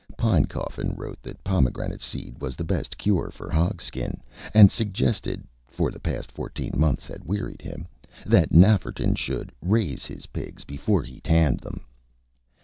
Pinecoffin wrote that pomegranate seed was the best cure for hog skin, and suggested for the past fourteen months had wearied him that Nafferton should "raise his pigs before he tanned them."